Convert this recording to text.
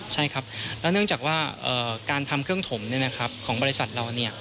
และเนื่องจากว่าการทำเครื่องถมของบริษัทเรา